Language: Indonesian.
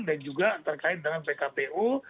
dan juga terkait dengan pkpu